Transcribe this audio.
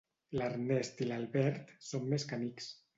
L'Ernest i l'Albert són més que amics.